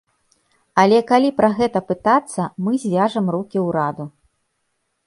Але калі пра гэта пытацца, мы звяжам рукі ўраду.